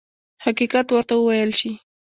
حقیقت ورته وویل شي.